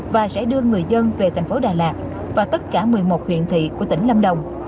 và sẽ đưa người dân về thành phố đà lạt và tất cả một mươi một huyện thị của tỉnh lâm đồng